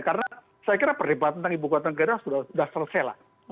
karena saya kira perlibatan tentang ibu kota negara sudah selesai